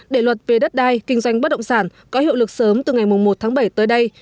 để luật về đất đai kinh doanh bất động sản có hiệu lực sớm từ ngày một tháng bảy tới đây